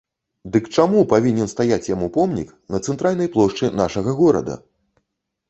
Дык чаму павінен стаяць яму помнік на цэнтральнай плошчы нашага горада?